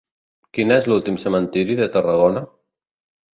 Quin és l'últim cementiri de Tarragona?